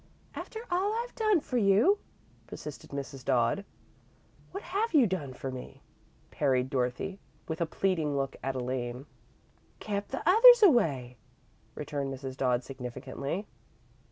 "After all I've done for you?" persisted Mrs. Dodd. "What have you done for me?" parried Dorothy, with a pleading look at Elaine. "Kep' the others away," returned Mrs. Dodd, significantly.